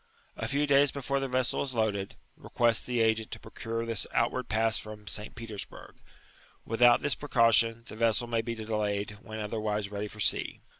A few days bcfifore the vessel is loaded, request the agent to procure the outward pass from St. Petersburg. Without this precaution the vessel may be delayed when otherwise ready for sea.